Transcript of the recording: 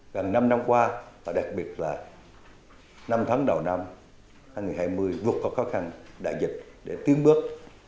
gần năm năm qua và đặc biệt là năm tháng đầu năm hai nghìn hai mươi vượt qua khó khăn đại dịch để tiến bước